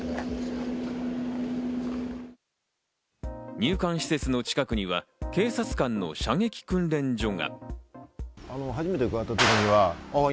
入管施設の近くには、警察官の射撃訓練所が。